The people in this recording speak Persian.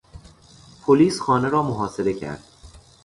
پلیس خانه را محاصره کرد.